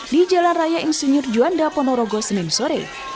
di jalan raya insinyur juanda ponorogo senin sore